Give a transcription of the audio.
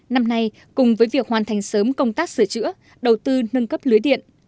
năm nay cùng với việc hoàn thành sớm công tác sửa chữa đầu tư nâng cấp lưới điện